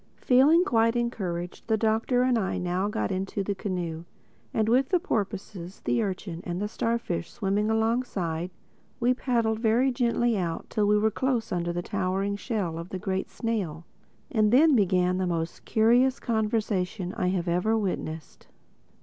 Feeling quite encouraged, the Doctor and I now got into the canoe; and, with the porpoises, the urchin and the starfish swimming alongside, we paddled very gently out till we were close under the towering shell of the Great Snail. And then began the most curious conversation I have ever witnessed.